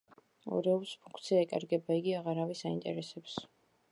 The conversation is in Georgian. ორეულს ფუნქცია ეკარგება, იგი აღარავის აინტერესებს.